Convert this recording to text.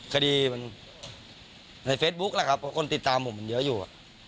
คดีมันในเฟซบุ๊คแหละครับเพราะคนติดตามผมมันเยอะอยู่